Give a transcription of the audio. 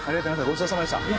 ごちそうさまでした。